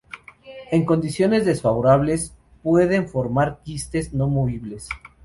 En condiciones desfavorables pueden formar quistes no móviles.